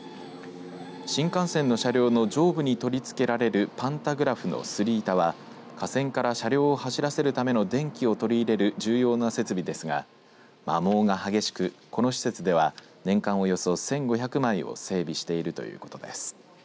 新幹線の車両の上部に取り付けられるパンタグラフのスリ板は架線から車両を走らせるための電気を取り入れる重要な設備ですが摩耗が激しく、この施設では年間およそ１５００枚を整備しているということです。